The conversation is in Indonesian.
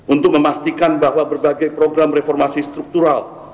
untuk memastikan bahwa berbagai program reformasi struktural